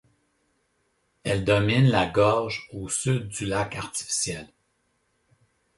Elle domine la gorge au sud du lac artificiel.